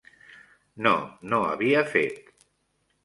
No, no havia fet.